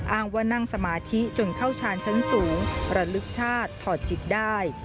อ้างว่านั่งสมาธิจนเข้าชาญชั้นสูงระลึกชาติถอดจิตได้